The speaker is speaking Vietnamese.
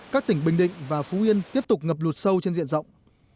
các tỉnh bình định và phú yên tiếp tục ngập lụt sâu trên diện rộng